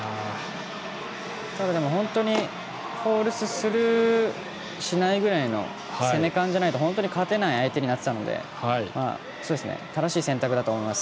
本当にフォルスする、しないぐらいの攻め感じゃないと本当に勝てない相手になっていたので正しい選択だと思います。